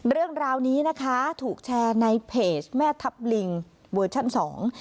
เรื่องราวนี้นะคะถูกแชร์ในเพจแม่ทัพลิงเวอร์ชั่นสอง